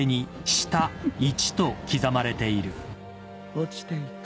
落ちていく。